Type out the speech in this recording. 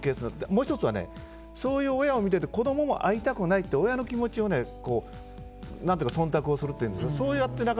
もう１つは、そういう親を見て子供も会いたくないって親の気持ちに忖度をするというんですか。